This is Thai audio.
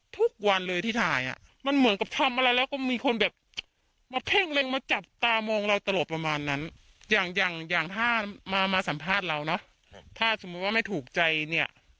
ถ้ามามาสัมภาษณ์เราน่ะถ้าสมมุติว่าไม่ถูกใจเนี่ย